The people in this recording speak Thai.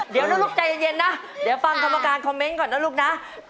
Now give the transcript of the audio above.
เดี๋ยวนะลูกใจเย็นนะเดี๋ยวฟังกรรมการคอมเมนต์ก่อนนะลูกนะ